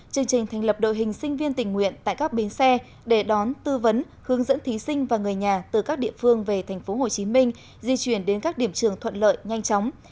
chương trình thành lập đội hình sinh viên tình nguyện tại các bến xe để đón tư vấn hướng dẫn thí sinh và người nhà từ các địa phương về tp hcm di chuyển đến các điểm trường thuận lợi nhanh chóng